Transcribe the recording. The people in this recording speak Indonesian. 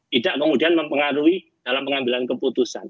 tidak kemudian mempengaruhi dalam pengambilan keputusan